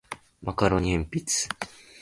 マカロニサラダ